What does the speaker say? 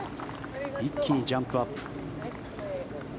一気にジャンプアップ。